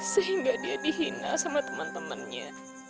sehingga dia dihina sama teman temannya